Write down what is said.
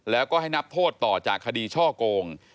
แล้วก็ให้นับโทษต่อจากคดีช่อโกง